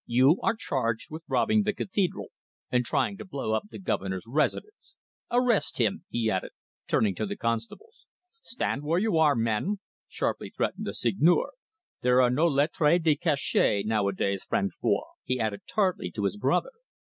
"You are charged with robbing the cathedral and trying to blow up the Governor's residence. Arrest him!" he added, turning to the constables. "Stand where you are, men," sharply threatened the Seigneur. "There are no lettres de cachet nowadays, Francois," he added tartly to his brother.